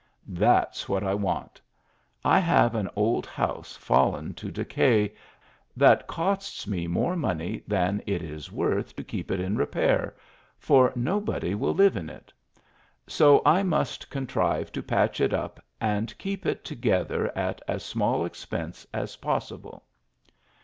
" That s what I want. I have an old house fallen to decay, that costs me more money than it is worth to keep it in repair, for nobody will live in it ; so I must contrive to patch it up and keep it together at as small expense as possible."